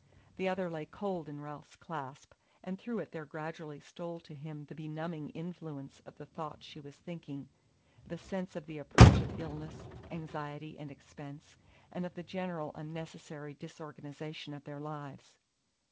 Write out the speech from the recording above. The other lay cold in Ralph's clasp, and through it there gradually stole to him the benumbing influence of the thoughts she was thinking: the sense of the approach of illness, anxiety, and expense, and of the general unnecessary disorganization of their lives.